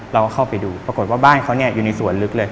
เราก็เข้าไปดูปรากฏว่าบ้านเขาอยู่ในสวนลึกเลย